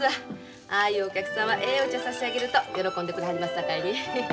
ああいうお客さんはええお茶差し上げると喜んでくれはりますさかいに。